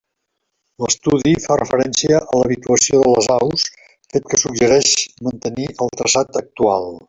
L'estudi fa referència a l'habituació de les aus, fet que suggereix mantenir el traçat actual.